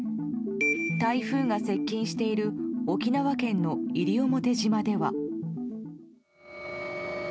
台風が接近している沖縄県の西表島では。